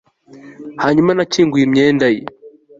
Hanyuma nakinguye imyenda ye